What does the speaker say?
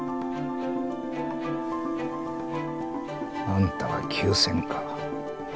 あんたは急戦か。